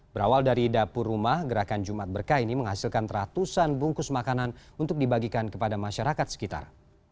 berawal dari dapur rumah gerakan jumat berkah ini menghasilkan ratusan bungkus makanan untuk dibagikan kepada masyarakat sekitar